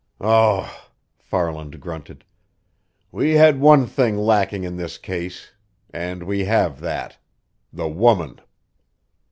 "Um!" Farland grunted. "We had one thing lacking in this case and we have that. The woman!"